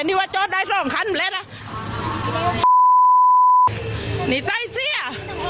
นี่ใส่เสี้ย